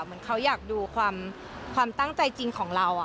เหมือนเขาอยากดูความตั้งใจจริงของเรา